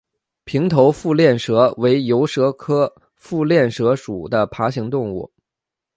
平头腹链蛇为游蛇科腹链蛇属的爬行动物。